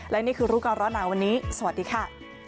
และนี่คือรู้ก่อนร้อนหนาวันนี้สวัสดีค่ะ